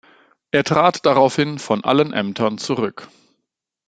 Er trat daraufhin von allen Ämtern zurück.